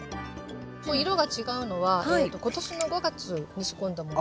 色が違うのは今年の５月に仕込んだものと。